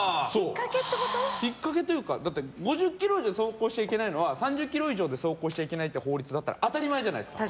ひっかけというかだって、５０キロ以上で走行しちゃいけないのは３０キロ以上で走行しちゃいけないという法律だったら当たり前じゃないですか。